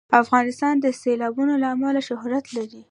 افغانستان د سیلابونه له امله شهرت لري.